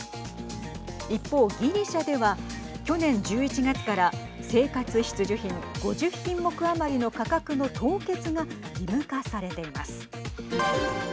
一方ギリシャでは去年１１月から生活必需品５０品目余りの価格の凍結が義務化されています。